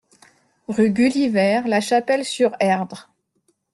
Rue Gulliver, La Chapelle-sur-Erdre